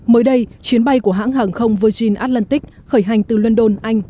mới đây chiến bay của hãng hàng không virgin atlantic khởi hành từ london anh